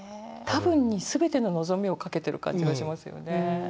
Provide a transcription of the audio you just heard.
「たぶん」に全ての望みをかけてる感じがしますよね。